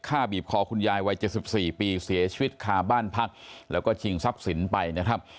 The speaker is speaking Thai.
บีบคอคุณยายวัย๗๔ปีเสียชีวิตคาบ้านพักแล้วก็ชิงทรัพย์สินไปนะครับ